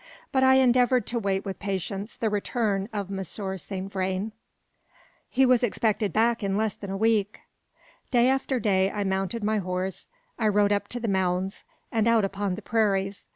But I endeavoured to wait with patience the return of Monsieur Saint Vrain. He was expected back in less than a week. Day after day I mounted my horse, I rode up to the "Mounds" and out upon the prairies.